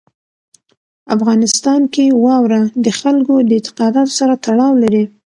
افغانستان کې واوره د خلکو د اعتقاداتو سره تړاو لري.